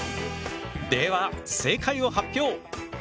では正解を発表。